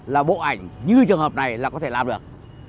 là bộ ảnh như trường hợp này là có thể làm được